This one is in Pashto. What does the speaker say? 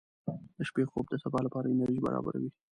• د شپې خوب د سبا لپاره انرژي برابروي.